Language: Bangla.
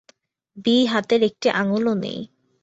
বী হাতের একটি আঙুল নেই।